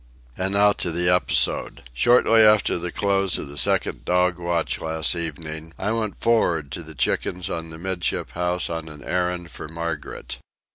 And now to the episode. Shortly after the close of the second dog watch last evening I went for'ard to the chickens on the 'midship house on an errand for Margaret.